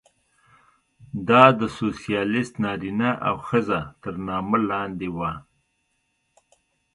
دا د سوسیالېست نارینه او ښځه تر نامه لاندې وه.